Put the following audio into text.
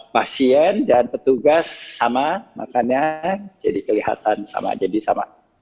pasien dan petugas sama makannya jadi kelihatan sama jadi sama